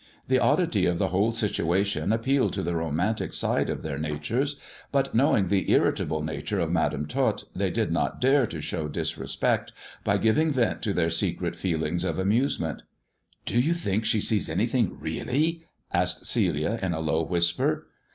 The oddity of the whole situation appealed to the romantic side of their natures ; but knowing the irritable nature of Madam Tot, they did not dare to show disrespect by giving vent to their secret feelings of amusement. " Do you think she sees anything really 1 " asked Celia in a low whisper.